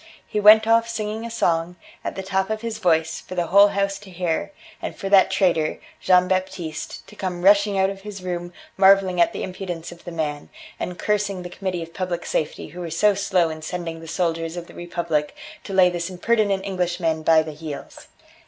He went off singing a song, at the top of his voice, for the whole house to hear, and for that traitor, Jean Baptiste, to come rushing out of his room marvelling at the impudence of the man, and cursing the Committee of Public Safety who were so slow in sending the soldiers of the Republic to lay this impertinent Englishman by the heels.